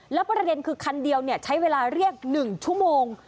แล้วประเด็นคือคันเดียวใช้เวลาเรียก๑ชั่วโมง